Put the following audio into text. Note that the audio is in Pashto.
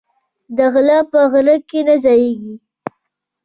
دغله په غره کی نه ځاييږي